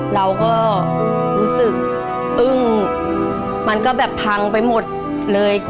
เราก็รู้สึกอึ้งมันก็แบบพังไปหมดเลย